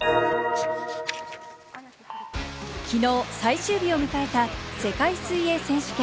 きのう最終日を迎えた世界水泳選手権。